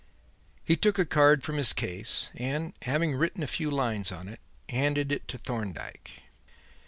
He took a card from his case, and, having written a few lines on it, handed it to Thorndyke.